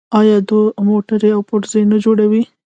آیا دوی موټرې او پرزې نه جوړوي؟